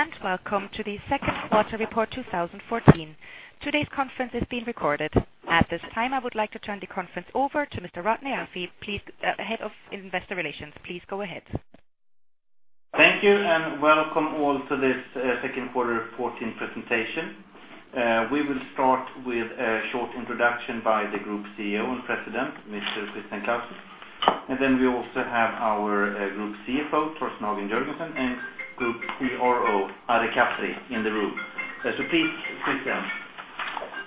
Good day. Welcome to the second quarter report 2014. Today's conference is being recorded. At this time, I would like to turn the conference over to Mr. Rodney Alfvén, Head of Investor Relations. Please go ahead. Thank you. Welcome all to this second quarter of 2014 presentation. We will start with a short introduction by the Group CEO and President, Mr. Christian Clausen, and then we also have our Group CFO, Torsten Hagen Jørgensen, and Group CRO, Ari Kaperi in the room. Please, Christian.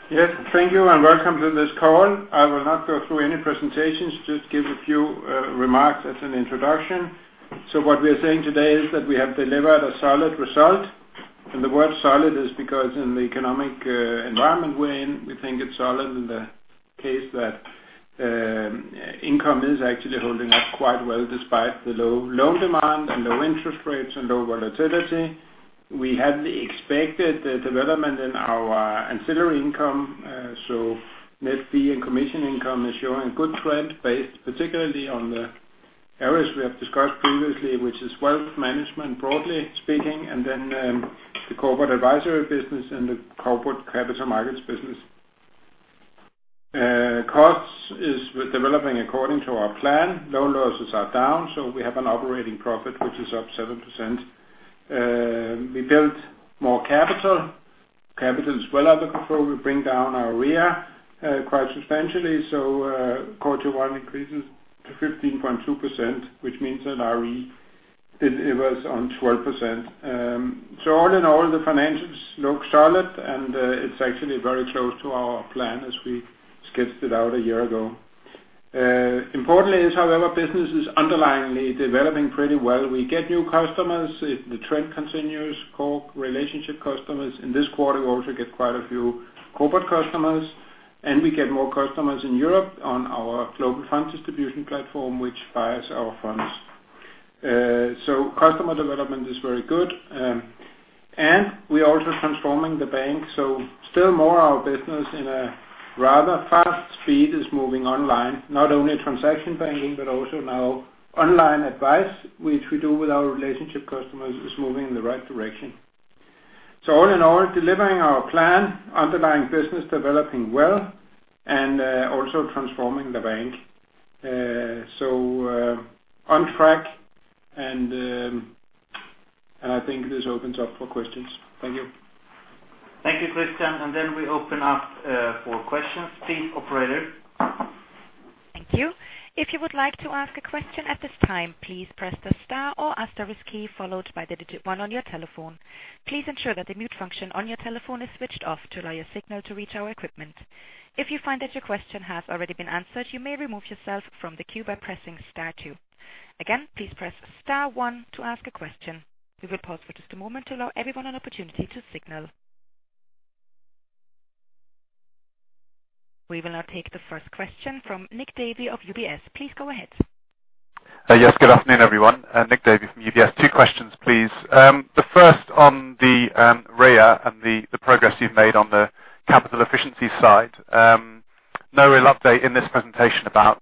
Yes, thank you. Welcome to this call. I will not go through any presentations, just give a few remarks as an introduction. What we are saying today is that we have delivered a solid result. The word solid is because in the economic environment we're in, we think it's solid in the case that income is actually holding up quite well despite the low loan demand and low interest rates and low volatility. We had the expected development in our ancillary income. Net fee and commission income is showing good trend based particularly on the areas we have discussed previously, which is wealth management, broadly speaking, and then the corporate advisory business and the corporate capital markets business. Costs is developing according to our plan. Loan losses are down, we have an operating profit, which is up 7%. We built more capital. Capital is well up before we bring down our RWA quite substantially. Quarter one increases to 15.2%, which means that our ROE delivers on 12%. All in all, the financials look solid. It's actually very close to our plan as we sketched it out a year ago. Importantly is, however, business is underlyingly developing pretty well. We get new customers. If the trend continues, we get core relationship customers. In this quarter, we also get quite a few corporate customers, and we get more customers in Europe on our global funds distribution platform, which buys our funds. Customer development is very good. We are also transforming the bank, still more of our business in a rather fast speed is moving online, not only transaction banking, but also now online advice, which we do with our relationship customers, is moving in the right direction. All in all, delivering our plan, underlying business developing well, and also transforming the bank. On track, and I think this opens up for questions. Thank you. Thank you, Christian. Then we open up for questions. Please, operator. Thank you. If you would like to ask a question at this time, please press the star or asterisk key followed by the digit 1 on your telephone. Please ensure that the mute function on your telephone is switched off to allow your signal to reach our equipment. If you find that your question has already been answered, you may remove yourself from the queue by pressing star 2. Again, please press star 1 to ask a question. We will pause for just a moment to allow everyone an opportunity to signal. We will now take the first question from Nick Davey of UBS. Please go ahead. Yes. Good afternoon, everyone. Nick Davey from UBS. Two questions, please. The first on the RWA and the progress you've made on the capital efficiency side. No real update in this presentation about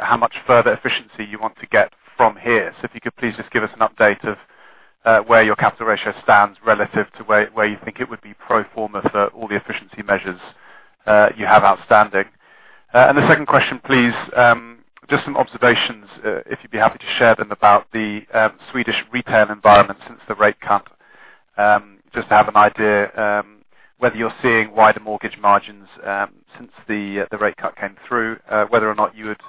how much further efficiency you want to get from here. If you could please just give us an update of where your capital ratio stands relative to where you think it would be pro forma for all the efficiency measures you have outstanding. The second question, please, just some observations, if you'd be happy to share them, about the Swedish retail environment since the rate cut. Just to have an idea whether you're seeing wider mortgage margins since the rate cut came through, whether or not you would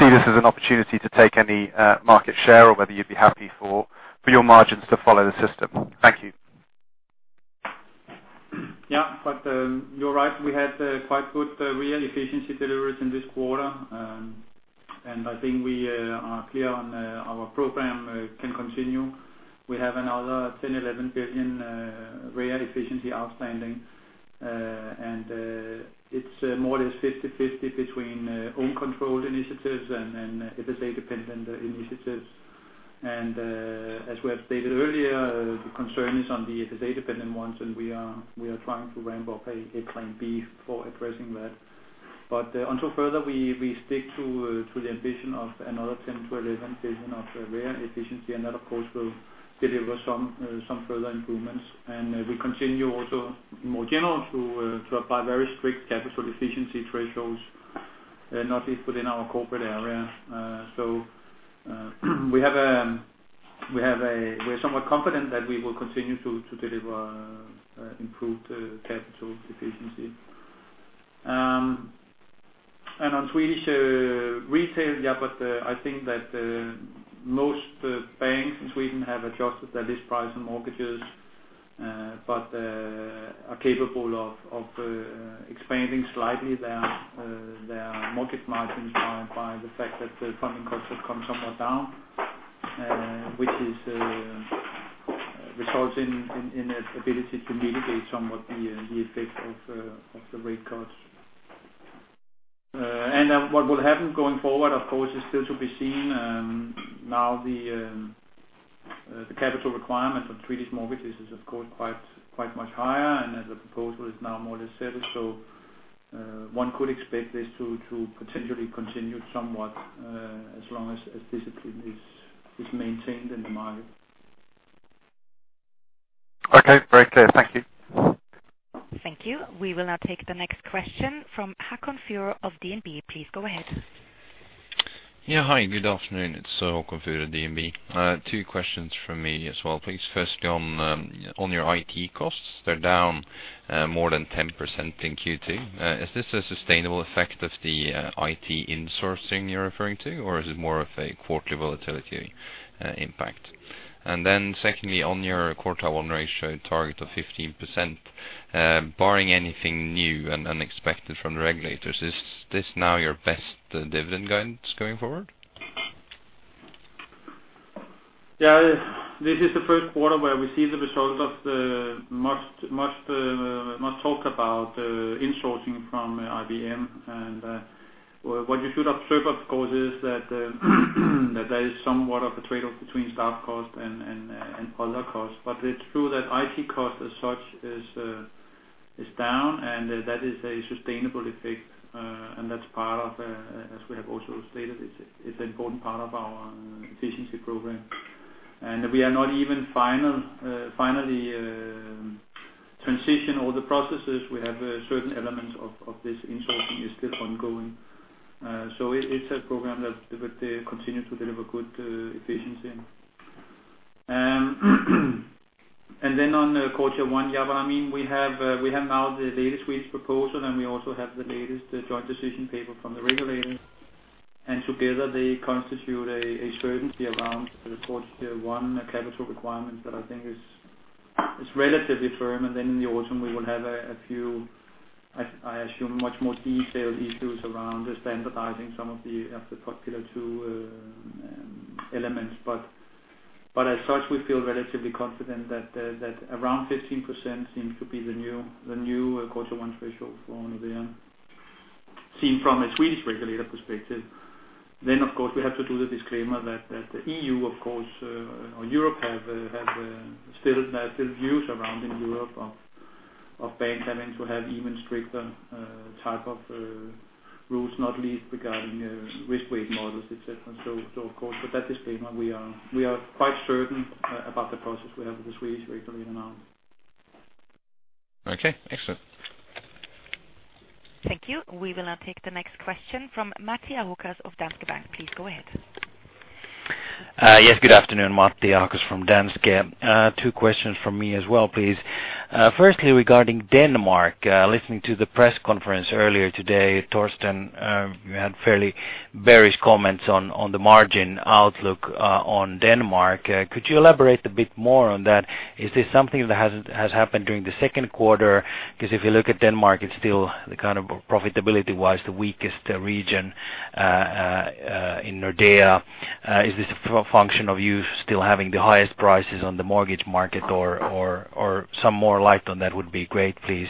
see this as an opportunity to take any market share, or whether you'd be happy for your mortgage margins to follow the system. Thank you. You're right, we had quite good real efficiency deliveries in this quarter. I think we are clear on our program can continue. We have another 10 billion to 11 billion real efficiency outstanding. It's more or less 50/50 between own controlled initiatives and FSA-dependent initiatives. As we have stated earlier, the concern is on the FSA-dependent ones, and we are trying to ramp up a plan B for addressing that. Until further, we stick to the ambition of another 10 billion to 11 billion of real efficiency, and that, of course, will deliver some further improvements. We continue also in more general to apply very strict capital efficiency thresholds, not least within our corporate area. We're somewhat confident that we will continue to deliver improved capital efficiency. On Swedish retail, I think that most banks in Sweden have adjusted their list price on mortgages. Are capable of expanding slightly their mortgage margins by the fact that the funding costs have come somewhat down, which results in its ability to mitigate somewhat the effect of the rate cuts. What will happen going forward, of course, is still to be seen. The capital requirement for Swedish mortgages is, of course, quite much higher, and the proposal is now more or less settled. One could expect this to potentially continue somewhat, as long as discipline is maintained in the market. Very clear. Thank you. Thank you. We will now take the next question from Haakon Fure of DNB. Please go ahead. Hi, good afternoon. It's Haakon Fure, DNB. Two questions from me as well, please. Firstly, on your IT costs, they're down more than 10% in Q2. Is this a sustainable effect of the IT insourcing you're referring to, or is it more of a quarterly volatility impact? Secondly, on your Pillar 1 ratio target of 15%, barring anything new and unexpected from the regulators, is this now your best dividend guidance going forward? This is the first quarter where we see the result of the much talk about insourcing from IBM. What you should observe, of course, is that there is somewhat of a trade-off between staff cost and other costs. It's true that IT cost, as such, is down, and that is a sustainable effect. That's, as we have also stated, it's an important part of our efficiency program. We are not even finally transition all the processes. We have certain elements of this insourcing is still ongoing. It's a program that will continue to deliver good efficiency. On Pillar 1, we have now the Data Swedish proposal, and we also have the latest joint decision paper from the regulators. Together they constitute a certainty around the Pillar 1 capital requirement that I think is relatively firm. In the autumn we will have a few, I assume, much more detailed issues around standardizing some of the Pillar 2 elements. As such, we feel relatively confident that around 15% seems to be the new Pillar 1 ratio for Nordea, seen from a Swedish regulator perspective. Of course, we have to do the disclaimer that the EU, of course, or Europe have still views around in Europe of banks having to have even stricter type of rules, not least regarding risk weight models, et cetera. Of course, with that disclaimer, we are quite certain about the process we have with the Swedish regulator now. Okay. Excellent. Thank you. We will now take the next question from Matti Ahokas of Danske Bank. Please go ahead. Yes, good afternoon. Matti Ahokas from Danske. Two questions from me as well, please. Firstly, regarding Denmark, listening to the press conference earlier today, Torsten, you had fairly bearish comments on the margin outlook on Denmark. Could you elaborate a bit more on that? Is this something that has happened during the second quarter? Because if you look at Denmark, it is still, profitability-wise, the weakest region in Nordea. Is this a function of you still having the highest prices on the mortgage market? Or some more light on that would be great, please.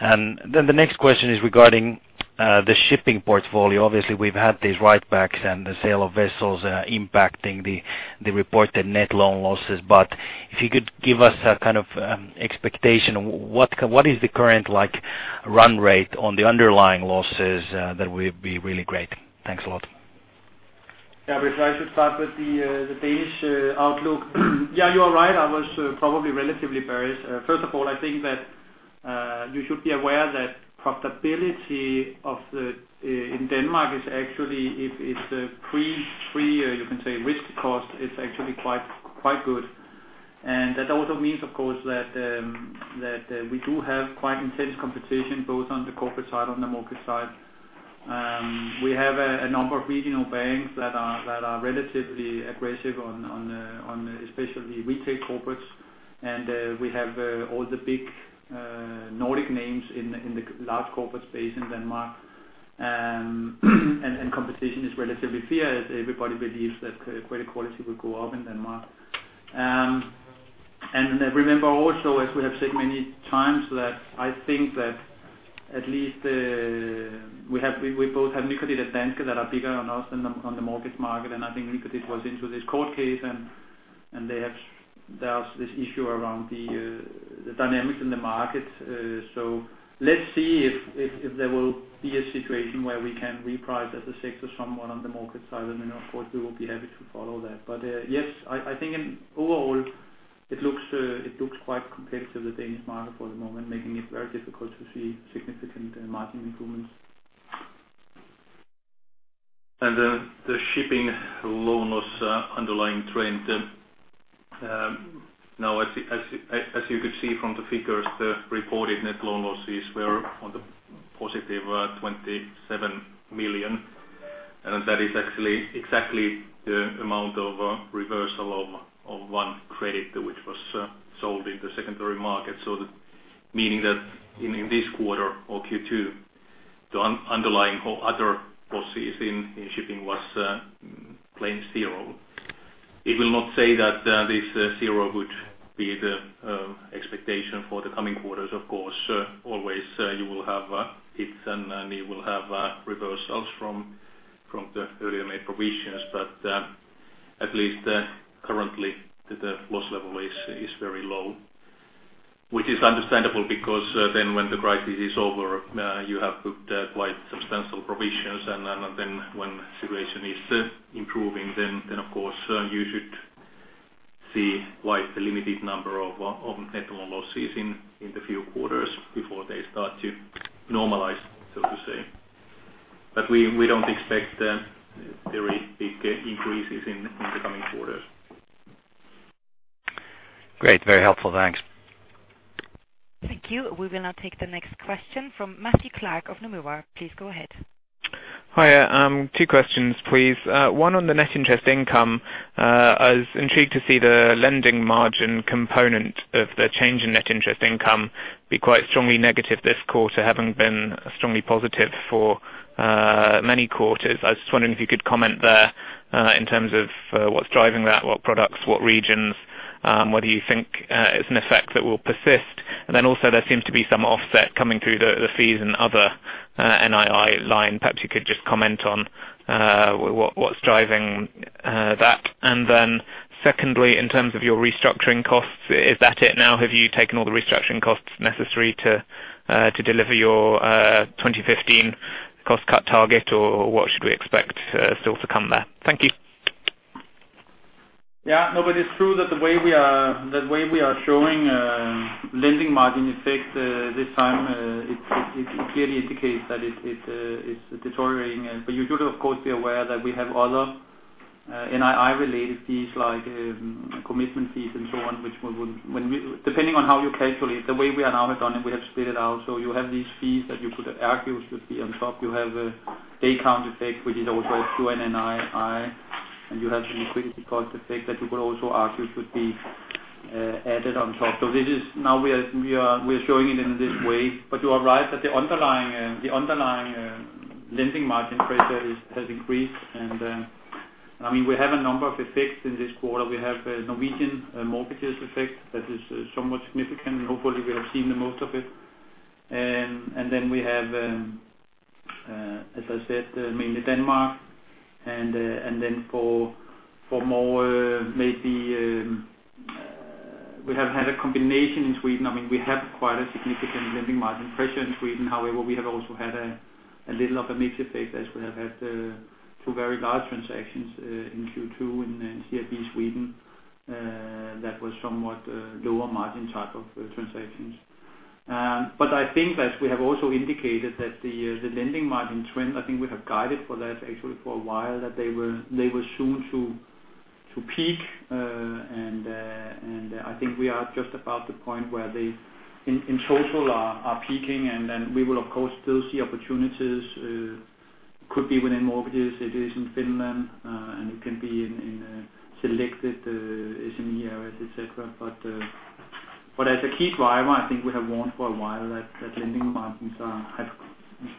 The next question is regarding the shipping portfolio. Obviously, we have had these write-backs and the sale of vessels impacting the reported net loan losses. But if you could give us a kind of expectation, what is the current run rate on the underlying losses? That would be really great. Thanks a lot. Yeah. If I should start with the Danish outlook. Yeah, you are right. I was probably relatively bearish. First of all, I think that you should be aware that profitability in Denmark is actually, it is pre, you can say, risk cost, it is actually quite good. That also means, of course, that we do have quite intense competition both on the corporate side, on the mortgage side. We have a number of regional banks that are relatively aggressive on especially retail corporates. We have all the big Nordic names in the large corporate space in Denmark. Competition is relatively fair, as everybody believes that credit quality will go up in Denmark. Remember also, as we have said many times, that I think that at least we both have Nykredit and Danske that are bigger than us on the mortgage market. I think Nykredit was into this court case, and there was this issue around the dynamics in the market. Let's see if there will be a situation where we can reprice as a sector somewhat on the market side. Then, of course, we will be happy to follow that. Yes, I think overall it looks quite competitive, the Danish market for the moment, making it very difficult to see significant margin improvements. The shipping loan loss underlying trend. Now, as you could see from the figures, the reported net loan losses were on the positive 27 million. That is actually exactly the amount of reversal of one credit which was sold in the secondary market. Meaning that in this quarter or Q2, the underlying other losses in shipping was plain zero. It will not say that this zero would be the expectation for the coming quarters, of course. Always you will have hits and you will have Ourselves from the earlier made provisions. At least currently, the loss level is very low, which is understandable because then when the crisis is over, you have booked quite substantial provisions. Then when situation is improving, then of course you should see quite a limited number of net loan losses in the few quarters before they start to normalize, so to say. We don't expect very big increases in the coming quarters. Great. Very helpful. Thanks. Thank you. We will now take the next question from Matthew Clark of Nomura. Please go ahead. Hi. Two questions, please. One on the net interest income. I was intrigued to see the lending margin component of the change in net interest income be quite strongly negative this quarter, having been strongly positive for many quarters. Also, there seems to be some offset coming through the fees and other NII line. Perhaps you could just comment on what's driving that. Secondly, in terms of your restructuring costs, is that it now? Have you taken all the restructuring costs necessary to deliver your 2015 cost cut target, or what should we expect still to come there? Thank you. No, it's true that the way we are showing lending margin effect this time, it clearly indicates that it is deteriorating. You should, of course, be aware that we have other NII related fees, like commitment fees and so on. Depending on how you calculate, the way we now have done it, we have split it out. You have these fees that you could argue should be on top. You have a day count effect, which is also through NII, and you have the liquidity cost effect that you could also argue should be added on top. Now we are showing it in this way. You are right that the underlying lending margin pressure has increased. We have a number of effects in this quarter. We have Norwegian mortgages effect that is somewhat significant. Hopefully, we have seen the most of it. We have, as I said, mainly Denmark, and we have had a combination in Sweden. We have quite a significant lending margin pressure in Sweden. However, we have also had a little of a mixed effect as we have had two very large transactions in Q2 in CIB Sweden. That was somewhat lower margin type of transactions. I think as we have also indicated that the lending margin trend, I think we have guided for that actually for a while, that they will soon to peak. I think we are just about the point where they, in total, are peaking, and we will of course still see opportunities. Could be within mortgages, it is in Finland, and it can be in selected SME areas, et cetera. As a key driver, I think we have warned for a while that lending margins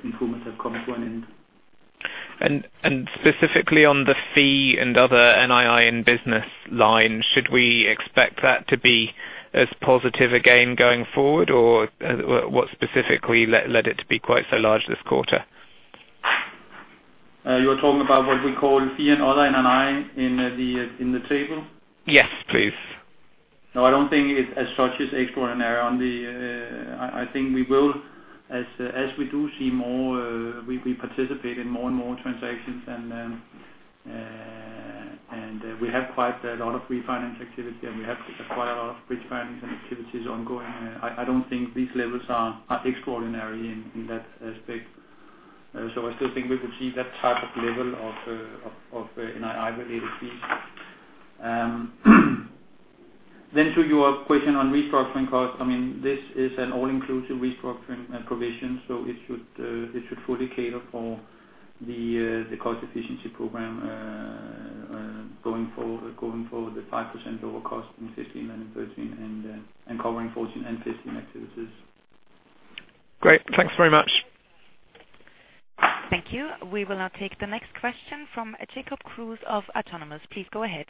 improvements have come to an end. Specifically on the fee and other NII in business line, should we expect that to be as positive again going forward? Or what specifically led it to be quite so large this quarter? You are talking about what we call fee and other NII in the table? Yes, please. No, I don't think it as such is extraordinary. I think as we do see more, we participate in more and more transactions, and we have quite a lot of refinance activity, and we have quite a lot of bridge financings and activities ongoing. I don't think these levels are extraordinary in that aspect. I still think we could see that type of level of NII related fees. To your question on restructuring costs, this is an all-inclusive restructuring provision, so it should fully cater for the cost efficiency program going forward at 5% over cost in 2015 and in 2013, and covering 2014 and 2015 activities. Great. Thanks very much. Thank you. We will now take the next question from Jacob Kruse of Autonomous. Please go ahead.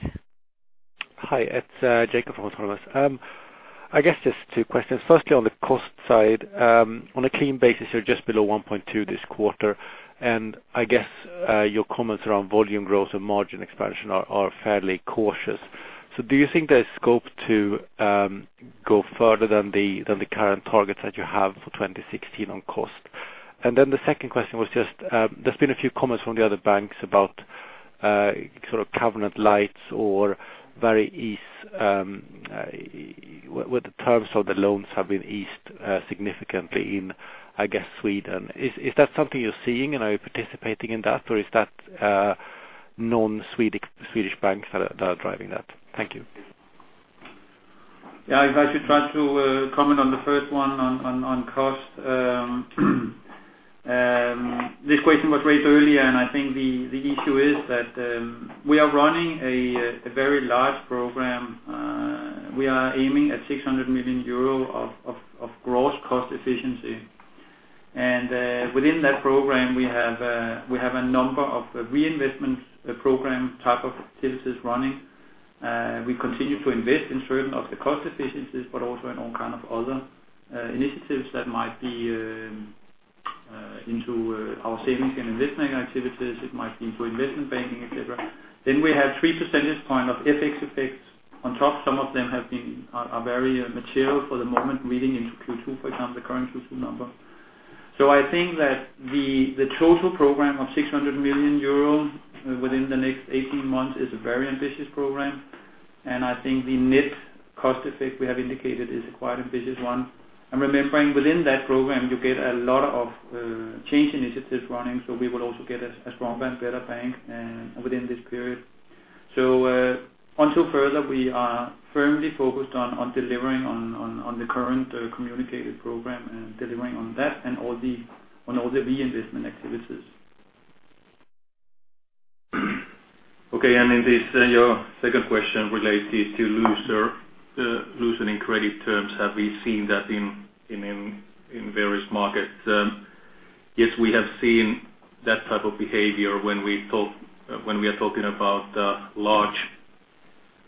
Hi, it's Jacob from Autonomous. I guess just two questions. Firstly, on the cost side. On a clean basis, you're just below 1.2 this quarter, and I guess your comments around volume growth and margin expansion are fairly cautious. Do you think there's scope to go further than the current targets that you have for 2016 on cost? The second question was just, there's been a few comments from the other banks about sort of covenant-lite or where the terms of the loans have been eased significantly in, I guess, Sweden. Is that something you're seeing, and are you participating in that, or is that non-Swedish banks that are driving that? Thank you. Yeah. I should try to comment on the first one on cost. This question was raised earlier. I think the issue is that we are running a very large program. We are aiming at 600 million euro of gross cost efficiency. Within that program, we have a number of reinvestments program type of activities running. We continue to invest in certain of the cost efficiencies, but also in all kind of other initiatives that might be into our savings and investment activities, it might be into investment banking, et cetera. We have 3 percentage points of FX effects on top. Some of them are very material for the moment reading into Q2, for example, the current Q2 number. I think that the total program of 600 million euro within the next 18 months is a very ambitious program. I think the net cost effect we have indicated is quite ambitious one. Remembering within that program, you get a lot of change initiatives running. We will also get a stronger and better bank within this period. Until further, we are firmly focused on delivering on the current communicated program and delivering on that and on all the reinvestment activities. Okay. Your second question related to loosening credit terms. Have we seen that in various markets? Yes, we have seen that type of behavior when we are talking about large,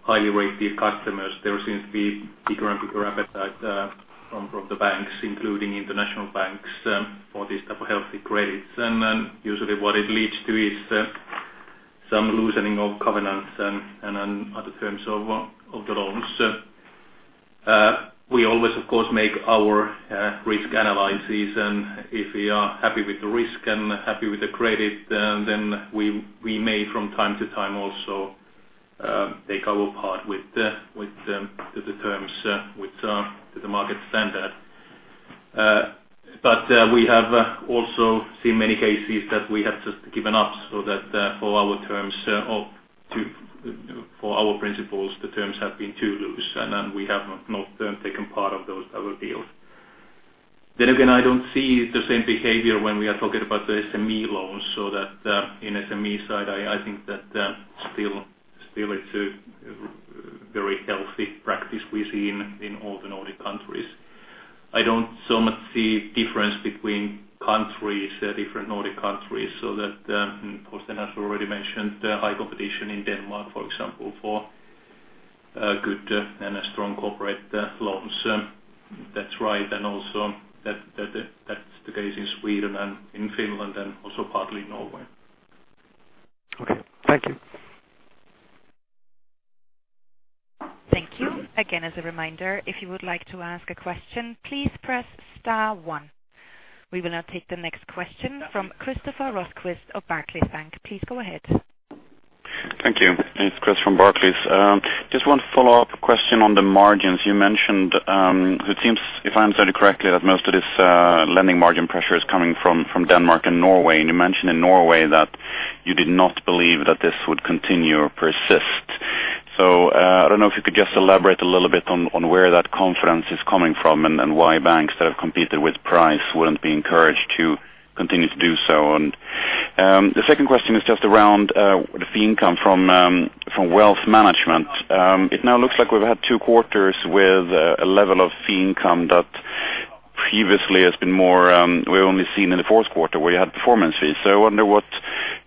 highly rated customers. There seems to be bigger and bigger appetite from the banks, including international banks, for these type of healthy credits. Usually what it leads to is some loosening of covenants and other terms of the loans. We always, of course, make our risk analyses. If we are happy with the risk and happy with the credit, we may from time to time also take our part with the terms which are to the market standard. We have also seen many cases that we have just given up, so that for our principals, the terms have been too loose, and we have not taken part of those other deals. Again, I don't see the same behavior when we are talking about the SME loans. In SME side, I think that still it's a very healthy practice we see in all the Nordic countries. I don't so much see difference between different Nordic countries. Christian has already mentioned the high competition in Denmark, for example, for good and strong corporate loans. That's right. Also that's the case in Sweden and in Finland and also partly Norway. Okay. Thank you. Thank you. Again, as a reminder, if you would like to ask a question, please press star one. We will now take the next question from Kinner Lakhani of Barclays Bank. Please go ahead. Thank you. It's Chris from Barclays. Just one follow-up question on the margins. You mentioned, it seems, if I understood correctly, that most of this lending margin pressure is coming from Denmark and Norway. You mentioned in Norway that you did not believe that this would continue or persist. I don't know if you could just elaborate a little bit on where that confidence is coming from, and why banks that have competed with price wouldn't be encouraged to continue to do so. The second question is just around the fee income from wealth management. It now looks like we've had two quarters with a level of fee income that previously we've only seen in the fourth quarter where you had performance fees. I wonder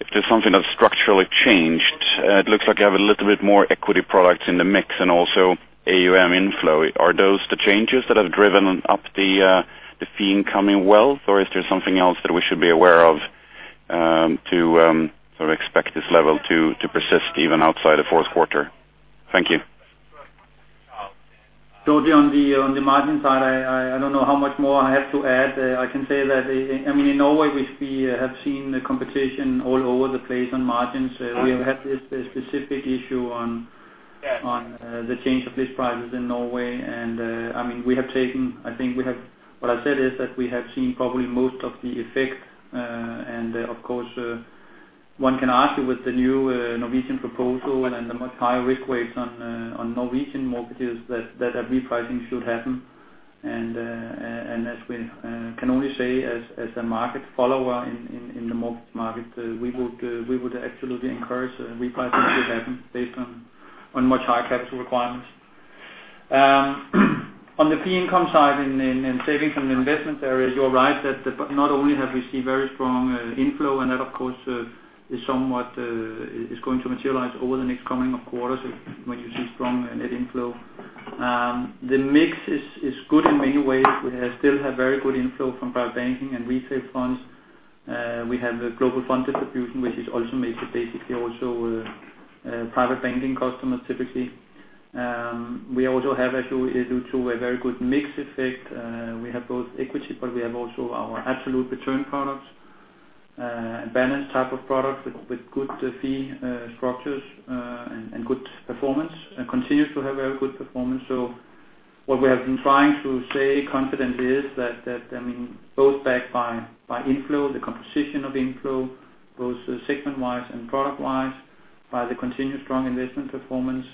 if there's something that's structurally changed. It looks like you have a little bit more equity products in the mix and also AUM inflow. Are those the changes that have driven up the fee incoming wealth, or is there something else that we should be aware of to sort of expect this level to persist even outside the fourth quarter? Thank you. On the margin side, I don't know how much more I have to add. I can say that in Norway, we have seen the competition all over the place on margins. We have had this specific issue on the change of list prices in Norway. What I said is that we have seen probably most of the effect. Of course, one can argue with the new Norwegian proposal and the much higher risk weights on Norwegian mortgages that a repricing should happen. As we can only say as a market follower in the mortgage market, we would absolutely encourage a repricing to happen based on much higher capital requirements. On the fee income side in savings and investment areas, you're right that not only have we seen very strong inflow, and that of course is going to materialize over the next coming quarters when you see strong net inflow. The mix is good in many ways. We still have very good inflow from private banking and retail funds. We have a global fund distribution, which is also made basically also private banking customers typically. We also have actually due to a very good mix effect, we have both equity, but we have also our absolute return products, balanced type of products with good fee structures and good performance, and continues to have very good performance. What we have been trying to say confidently is that both backed by inflow, the composition of inflow, both segment-wise and product-wise, by the continued strong investment performance,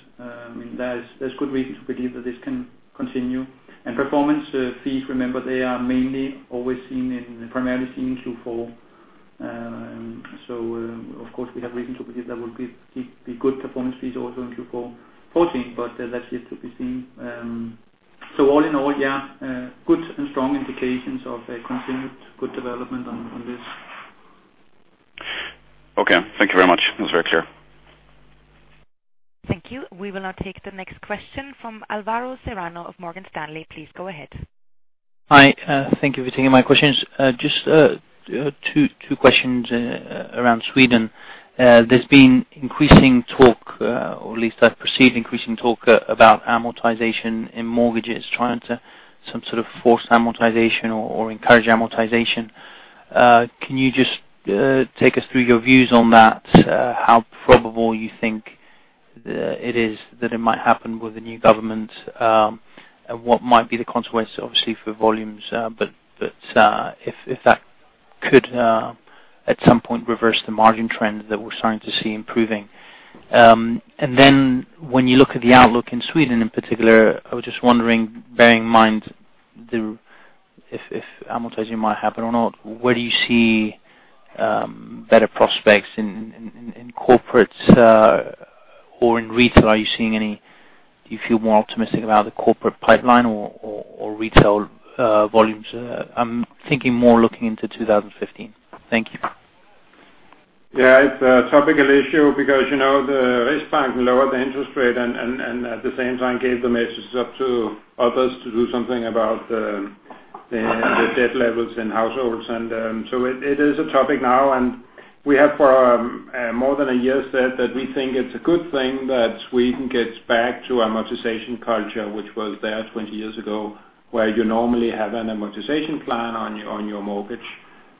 there's good reason to believe that this can continue. Performance fees, remember, they are mainly always primarily seen in Q4. Of course, we have reason to believe there will be good performance fees also in Q4 2014, but that's yet to be seen. All in all, yeah, good and strong indications of a continued good development on this. Okay. Thank you very much. It was very clear. Thank you. We will now take the next question from Alvaro Serrano of Morgan Stanley. Please go ahead. Hi. Thank you for taking my questions. Just two questions around Sweden. There's been increasing talk, or at least I've perceived increasing talk about amortization in mortgages, trying to some sort of force amortization or encourage amortization. Can you just take us through your views on that, how probable you think it is that it might happen with the new government? What might be the consequence, obviously for volumes, but if that could at some point reverse the margin trend that we're starting to see improving. When you look at the outlook in Sweden in particular, I was just wondering, bearing in mind if amortization might happen or not, where do you see better prospects in corporates or in retail? Do you feel more optimistic about the corporate pipeline or retail volumes? I'm thinking more looking into 2015. Thank you. Yeah. It's a topical issue because the Riksbank lowered the interest rate and at the same time gave the message it's up to others to do something about the debt levels in households. It is a topic now, we have for more than a year said that we think it's a good thing that Sweden gets back to amortization culture, which was there 20 years ago, where you normally have an amortization plan on your mortgage.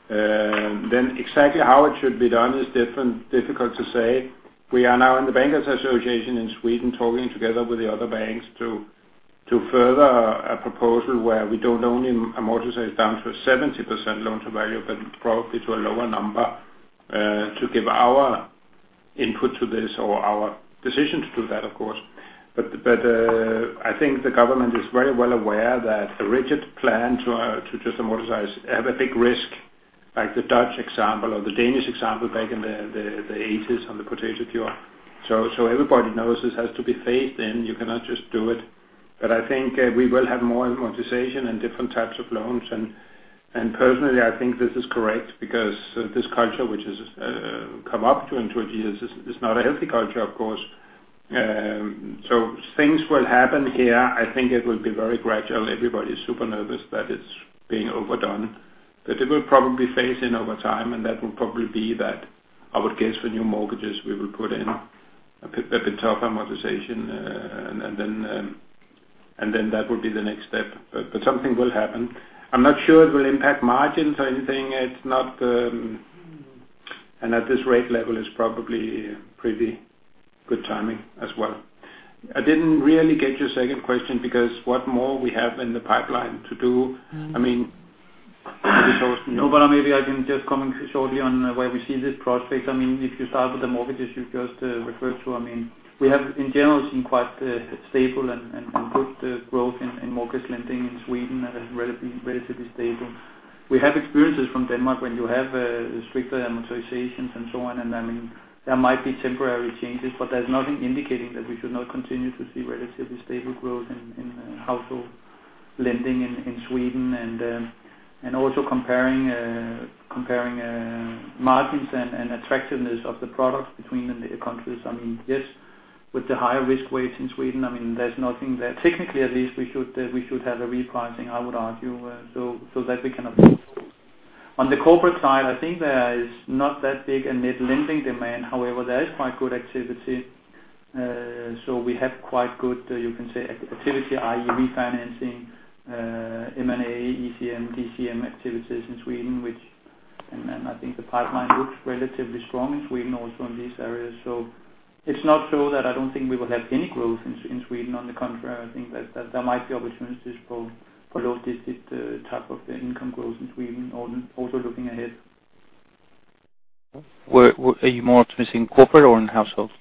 Exactly how it should be done is difficult to say. We are now in the Swedish Bankers' Association, talking together with the other banks to further a proposal where we don't only amortize down to a 70% loan-to-value, but probably to a lower number, to give our input to this or our decision to do that, of course. I think the government is very well aware that a rigid plan to just amortize have a big risk, like the Dutch example or the Danish example back in the '80s on the potato cure. Everybody knows this has to be phased in. You cannot just do it. I think we will have more amortization and different types of loans, personally, I think this is correct because this culture which has come up to in 20 years is not a healthy culture, of course. Things will happen here. I think it will be very gradual. Everybody's super nervous that it's being overdone, it will probably phase in over time, that will probably be that. I would guess for new mortgages, we will put in a bit tougher amortization, that will be the next step. Something will happen. I'm not sure it will impact margins or anything. At this rate level is probably pretty good timing as well. I didn't really get your second question, because what more we have in the pipeline to do. I mean. Maybe I can just comment shortly on where we see this prospect. If you start with the mortgages you just referred to, we have in general seen quite stable and good growth in mortgage lending in Sweden, relatively stable. We have experiences from Denmark when you have stricter amortizations and so on. There might be temporary changes, but there's nothing indicating that we should not continue to see relatively stable growth in household lending in Sweden. Also comparing margins and attractiveness of the products between the countries. Yes, with the higher risk weights in Sweden, there's nothing there. Technically at least we should have a repricing, I would argue, so that we can afford it. On the corporate side, I think there is not that big a net lending demand. However, there is quite good activity. We have quite good, you can say, activity, i.e., refinancing, M&A, ECM, DCM activities in Sweden. I think the pipeline looks relatively strong in Sweden also in these areas. It's not so that I don't think we will have any growth in Sweden. On the contrary, I think that there might be opportunities for low digit type of income growth in Sweden also looking ahead. Are you more optimistic in corporate or in households?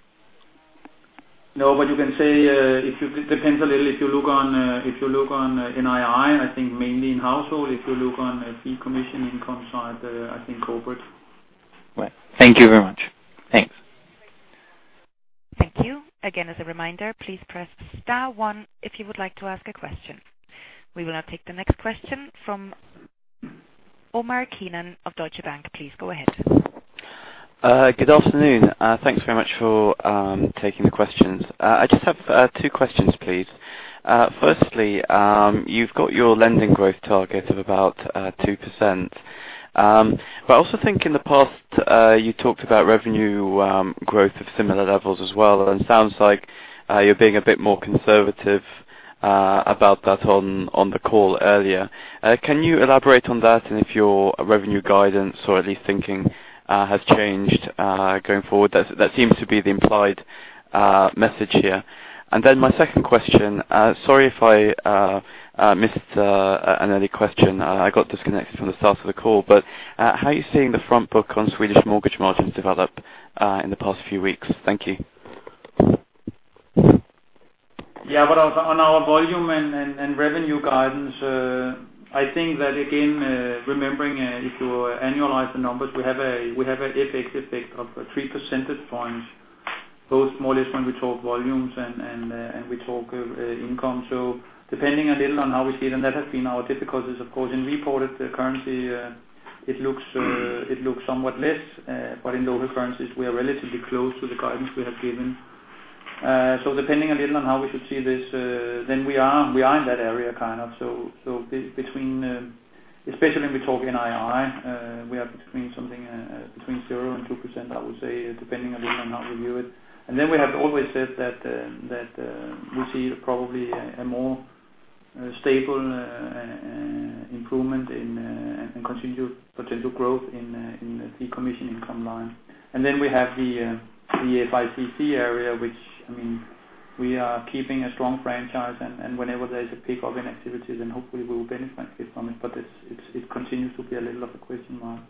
No, you can say it depends a little. If you look on NII, I think mainly in household. If you look on fee commission income side, I think corporate. Right. Thank you very much. Thanks. Thank you. Again, as a reminder, please press star one if you would like to ask a question. We will now take the next question from Omar Keenan of Deutsche Bank. Please go ahead. Good afternoon. Thanks very much for taking the questions. I just have two questions, please. Firstly, you've got your lending growth target of about 2%. I also think in the past, you talked about revenue growth of similar levels as well, and it sounds like you're being a bit more conservative about that on the call earlier. Can you elaborate on that and if your revenue guidance or at least thinking has changed going forward? That seems to be the implied message here. Then my second question, sorry if I missed an early question. I got disconnected from the start of the call. How are you seeing the front book on Swedish mortgage margins develop in the past few weeks? Thank you. Yeah. On our volume and revenue guidance, I think that again, remembering if you annualize the numbers, we have an FX effect of three percentage points. Both more or less when we talk volumes and we talk income. Depending a little on how we see them, that has been our difficulties. Of course, in reported currency, it looks somewhat less. In local currencies, we are relatively close to the guidance we have given. Depending a little on how we should see this, then we are in that area, kind of. Especially when we talk NII, we are between something between 0% and 2%, I would say, depending a little on how we view it. We have always said that we see probably a more stable improvement in and continued potential growth in the fee commission income line. We have the FICC area, which we are keeping a strong franchise, and whenever there is a pickup in activities, then hopefully we will benefit from it. It continues to be a little of a question mark.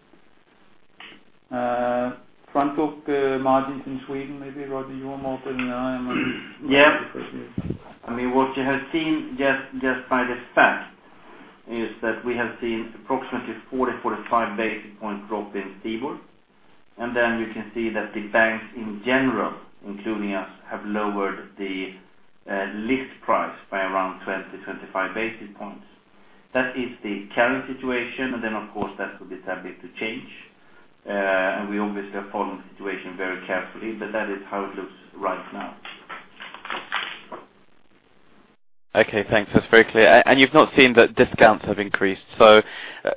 Front book margins in Sweden, maybe Ari, you are more than I am. Yeah. What you have seen just by the fact is that we have seen approximately 40-45 basis points drop in STIBOR. You can see that the banks in general, including us, have lowered the list price by around 20-25 basis points. That is the current situation. Of course, that will be subject to change. We obviously are following the situation very carefully, but that is how it looks right now. Okay, thanks. That's very clear. You've not seen that discounts have increased? The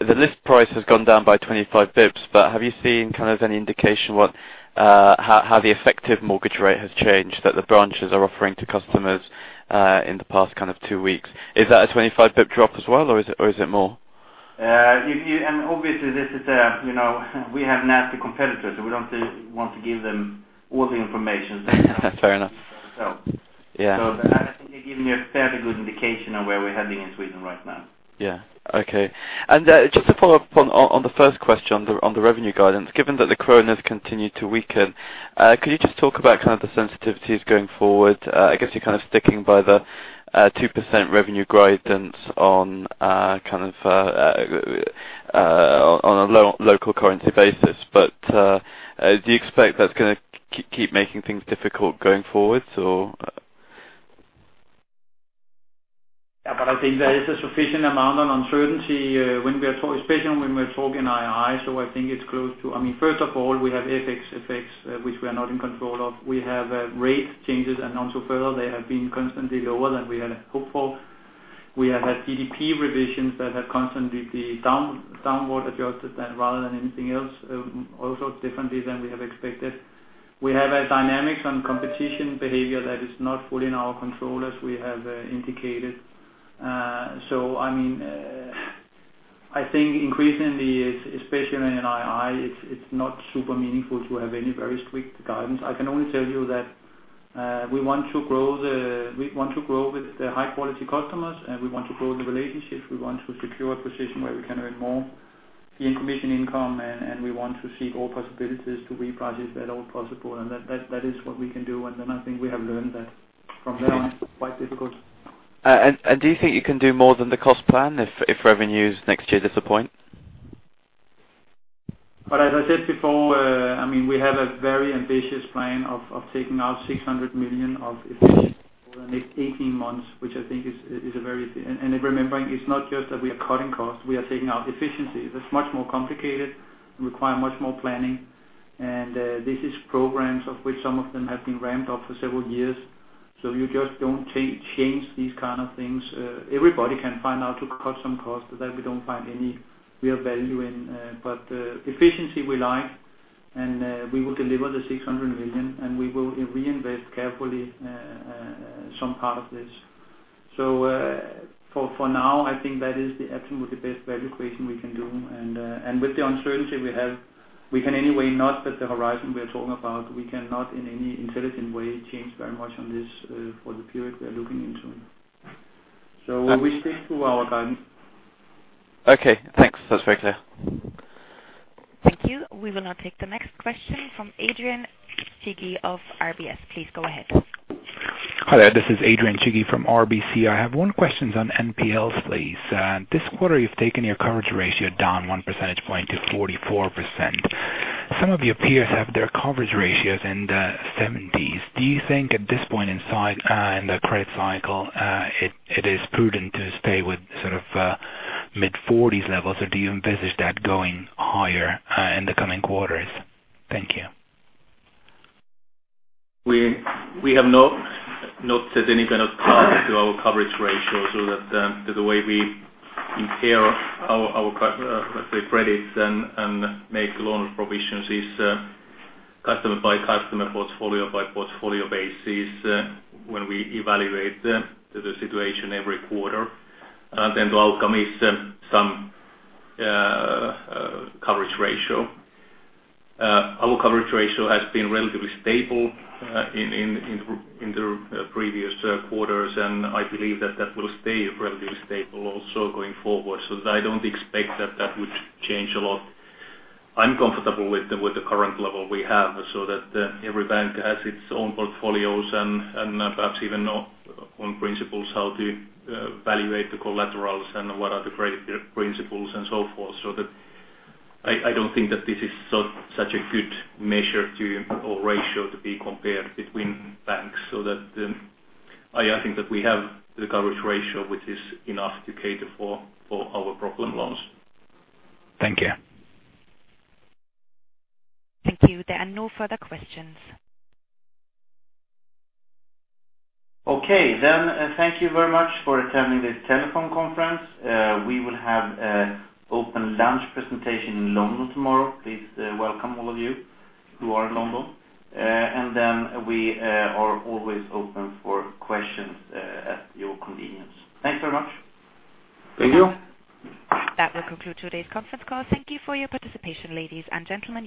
list price has gone down by 25 basis points, but have you seen any indication how the effective mortgage rate has changed, that the branches are offering to customers in the past two weeks? Is that a 25-basis point drop as well, or is it more? Obviously, we have nasty competitors, so we don't want to give them all the information. Fair enough. Yeah. I think they've given you a fairly good indication of where we're heading in Sweden right now. Yeah. Okay. Just to follow up on the first question on the revenue guidance, given that the Krona has continued to weaken, could you just talk about the sensitivities going forward? I guess you're sticking by the 2% revenue guidance on a local currency basis. Do you expect that's going to keep making things difficult going forward or? I think there is a sufficient amount of uncertainty, especially when we're talking NII. I think it's close to First of all, we have FX, which we are not in control of. We have rate changes, and insofar they have been constantly lower than we had hoped for. We have had GDP revisions that have constantly been downward adjusted rather than anything else, also differently than we have expected. We have a dynamics on competition behavior that is not fully in our control as we have indicated. I think increasingly, especially in NII, it's not super meaningful to have any very strict guidance. I can only tell you that we want to grow with the high-quality customers, and we want to grow the relationships. We want to secure a position where we can earn more fee and commission income, and we want to seek all possibilities to reprice it where at all possible. That is what we can do. I think we have learned that from there on, it's quite difficult. Do you think you can do more than the cost plan if revenues next year disappoint? As I said before, we have a very ambitious plan of taking out 600 million of efficiencies over the next 18 months, which I think is a very Remembering it is not just that we are cutting costs, we are taking out efficiencies. That is much more complicated and requires much more planning. This is programs of which some of them have been ramped up for several years. You just do not change these kind of things. Everybody can find how to cut some cost that we do not find any real value in. Efficiency we like, and we will deliver the 600 million, and we will reinvest carefully some part of this. For now, I think that is absolutely the best value creation we can do. With the uncertainty we have, we can anyway not set the horizon we are talking about. We cannot in any intelligent way change very much on this for the period we are looking into. We stick to our guidance. Okay, thanks. That is very clear. Thank you. We will now take the next question from Adrian Cighi of RBC. Please go ahead. Hello, this is Adrian Cighi from RBC. I have one question on NPLs, please. This quarter you've taken your coverage ratio down one percentage point to 44%. Some of your peers have their coverage ratios in the 70s. Do you think at this point in the credit cycle it is prudent to stay with mid-40s levels, or do you envisage that going higher in the coming quarters? Thank you. We have not set any kind of target to our coverage ratio so that the way we impair our credits and make loan provisions is customer by customer, portfolio by portfolio basis when we evaluate the situation every quarter, the outcome is some coverage ratio. Our coverage ratio has been relatively stable in the previous quarters, and I believe that that will stay relatively stable also going forward. I don't expect that that would change a lot. I'm comfortable with the current level we have, so that every bank has its own portfolios and perhaps even own principles how to evaluate the collaterals and what are the credit principles and so forth. I don't think that this is such a good measure or ratio to be compared between banks. I think that we have the coverage ratio, which is enough to cater for our problem loans. Thank you. Thank you. There are no further questions. Okay, then. Thank you very much for attending this telephone conference. We will have open lunch presentation in London tomorrow. Please welcome all of you who are in London. Then we are always open for questions at your convenience. Thanks very much. Thank you. That will conclude today's conference call. Thank you for your participation, ladies and gentlemen.